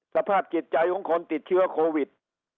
สภาพจิตใจของคนติดเชื้อโควิด